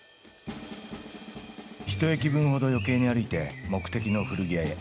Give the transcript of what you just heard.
一駅分ほどよけいに歩いて目的の古着屋へ。